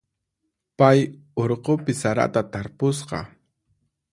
Pay urqupi sarata tarpusqa.